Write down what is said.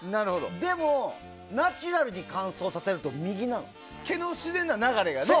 でも、ナチュラルに乾燥させると毛の自然な流れがね。